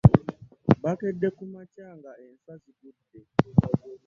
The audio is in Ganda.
Bakedde ku makya nga enswa zagudde,